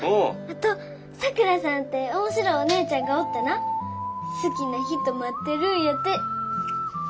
あとさくらさんて面白いおねえちゃんがおってな好きな人待ってるんやて。